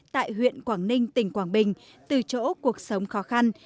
tại huyện quảng ninh tỉnh quảng bình từ chỗ cuộc sống khó khăn